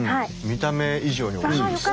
見た目以上においしいです。